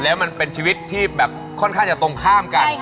แล้วมันเป็นชีวิตที่แบบค่อนข้างจะตรงข้ามกัน